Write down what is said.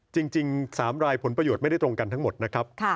จริง๓รายผลประโยชน์ไม่ได้ตรงกันทั้งหมดนะครับ